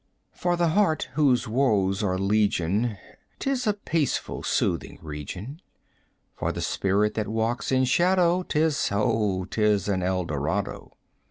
For the heart whose woes are legion 'T is a peaceful, soothing region; 40 For the spirit that walks in shadow 'T is oh, 't is an Eldorado!